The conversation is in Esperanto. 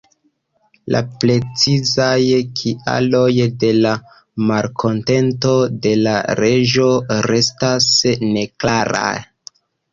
La precizaj kialoj de la malkontento de la reĝo restas neklaraj.